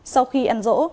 sau khi ăn rỗ